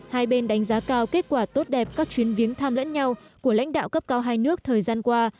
hai bên đánh giá cao kết quả tốt đẹp các chuyến viếng thăm lẫn nhau của lãnh đạo cấp cao hai nước thời gian qua